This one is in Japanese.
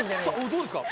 どうですか？